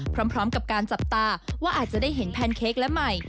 พร้อมกับการจับตาว่าอาจจะได้เห็นแพนเค้กและใหม่